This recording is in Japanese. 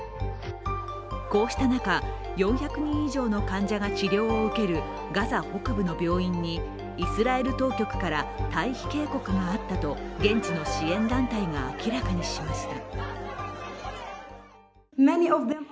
こうした中、４００人以上の患者が治療を受けるガザ北部の病院にイスラエル当局から退避警告があったと現地の支援団体が明らかにしました。